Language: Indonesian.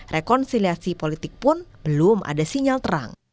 rekonsiliasi politik pun belum ada sinyal terang